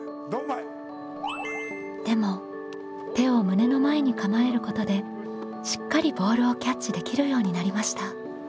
でも手を胸の前に構えることでしっかりボールをキャッチできるようになりました。